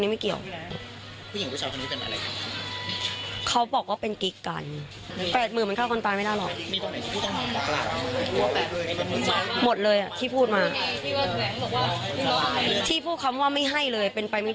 แต่พวกเขาว่าไม่ให้เลย